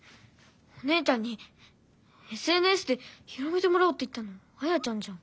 お姉ちゃんにＳＮＳで広めてもらおうって言ったのあやちゃんじゃん。